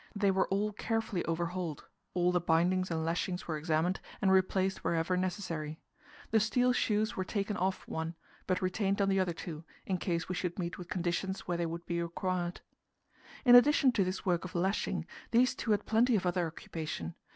They were all carefully overhauled; all the bindings and lashings were examined, and replaced wherever necessary. The steel shoes were taken off one, but retained on the other two, in case we should meet with conditions where they would be required. In addition to this work of lashing, these two had plenty of other occupation.